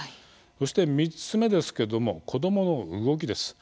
そして３つ目ですけども子供の動きです。